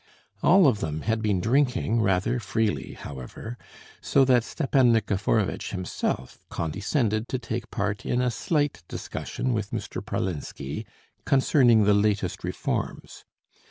All of them had been drinking rather freely, however, so that Stepan Nikiforovitch himself condescended to take part in a slight discussion with Mr. Pralinsky concerning the latest reforms.